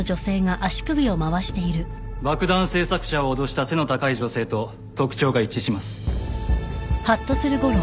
爆弾製作者を脅した背の高い女性と特徴が一致します。